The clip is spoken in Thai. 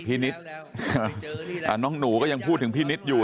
นิดน้องหนูก็ยังพูดถึงพี่นิดอยู่